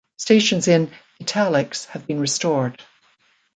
Stations in "italics" have been restored.